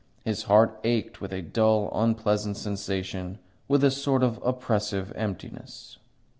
His heart ached with a dull, unpleasant sensation, with a sort of oppressive emptiness.